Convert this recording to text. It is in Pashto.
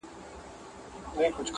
چاته که سکاره یمه اېرې یمه,